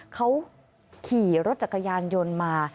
เขาขี่รถจักรยานยนต์มา